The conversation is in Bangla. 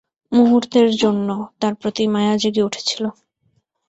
মুহূর্তের জন্য, তার প্রতি মায়া জেগে উঠেছিল।